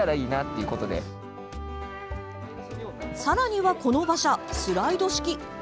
さらには、この馬車スライド式。